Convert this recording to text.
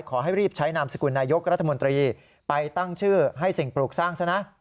ขอให้รีบใช้นามสกุลนายกรัฐมนตรีไปตั้งชื่อให้สิ่งปลูกสร้างซะนะ